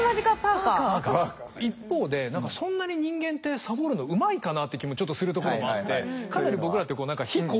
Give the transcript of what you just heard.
一方で何かそんなに人間ってサボるのうまいかなって気もちょっとするところもあって。